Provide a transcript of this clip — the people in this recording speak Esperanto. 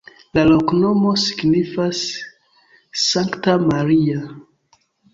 La loknomo signifas: Sankta Maria.